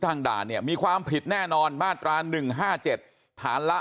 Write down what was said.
ทางด่านเนี่ยมีความผิดแน่นอนมาตราหนึ่งห้าเจ็ดฐานละ